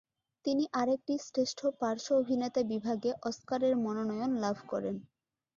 তিনি আরেকটি শ্রেষ্ঠ পার্শ্ব অভিনেতা বিভাগে অস্কারের মনোনয়ন লাভ করেন।